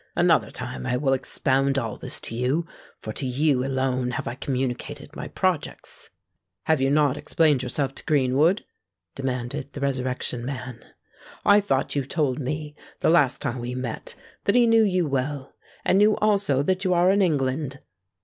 Another time I will expound all this to you; for to you alone have I communicated my projects." "Have you not explained yourself to Greenwood?" demanded the Resurrection Man. "I thought you told me, the last time we met, that he knew you well—and knew also that you are in England?"